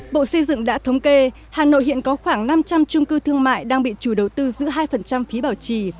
bộ xây dựng đã thống kê hà nội hiện có khoảng năm trăm linh trung cư thương mại đang bị chủ đầu tư giữ hai phí bảo trì